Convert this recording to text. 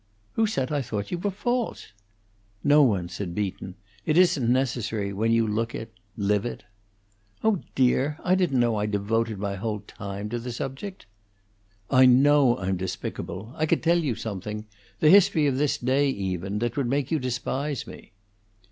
"Who said I thought you were false?" "No one," said Beaton. "It isn't necessary, when you look it live it." "Oh, dear! I didn't know I devoted my whole time to the subject." "I know I'm despicable. I could tell you something the history of this day, even that would make you despise me."